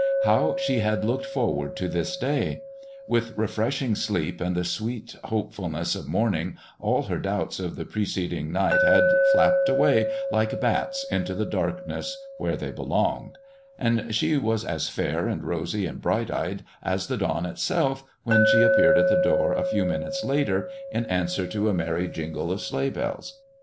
How she had looked forward to this day! With refreshing sleep and the sweet hopefulness of morning, all her doubts of the preceding night had flapped away like bats into the darkness where they belonged; and she was as fair and rosy and bright eyed as the dawn itself when she appeared at the door a few minutes later, in answer to a merry jingle of sleighbells.